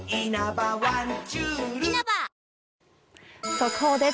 速報です。